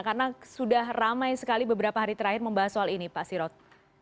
karena sudah ramai sekali beberapa hari terakhir membahas soal ini pak sirot